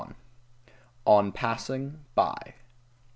ON PASSING BY.